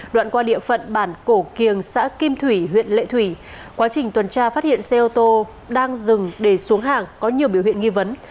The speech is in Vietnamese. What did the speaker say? đoạn qua địa phận bản cổ kiềng xã kim thủy huyện lệ thủy quá trình tuần tra phát hiện xe ô tô đang dừng để xuống hàng có nhiều biểu hiện nghi vấn